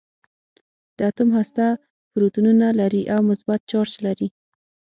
د اتوم هسته پروتونونه لري او مثبت چارج لري.